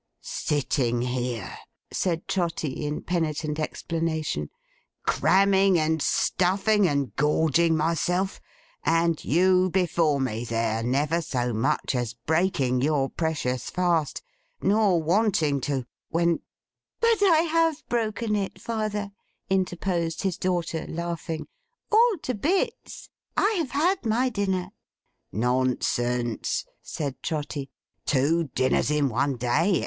'Sitting here,' said Trotty, in penitent explanation, 'cramming, and stuffing, and gorging myself; and you before me there, never so much as breaking your precious fast, nor wanting to, when—' 'But I have broken it, father,' interposed his daughter, laughing, 'all to bits. I have had my dinner.' 'Nonsense,' said Trotty. 'Two dinners in one day!